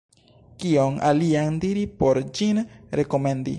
Kion alian diri por ĝin rekomendi?